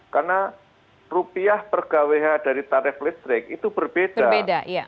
karena rupiah per kwh dari tarif listrik itu berbeda